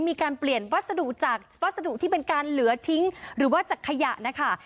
มีการเปลี่ยนวัสดุจากวัสดุที่เป็นการเหลือทิ้งหรือว่าจากขยะนะคะ